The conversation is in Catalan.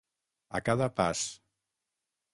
A cada pas.